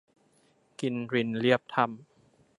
กินรินเลียบถ้ำ